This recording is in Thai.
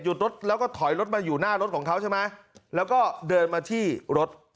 รถแล้วก็ถอยรถมาอยู่หน้ารถของเขาใช่ไหมแล้วก็เดินมาที่รถ